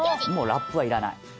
もうラップはいらない。